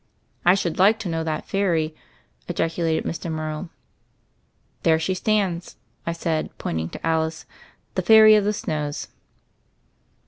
"I should like to know that fairy 1" ejaculated Mr. Morrow. "There she stands," I said, pointing to Alice, "the Fairy of the Snows."